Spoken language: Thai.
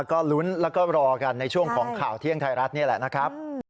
ก็ลุ้นแล้วก็รอกันในช่วงของข่าวเที่ยงไทยรัฐนี่แหละนะครับ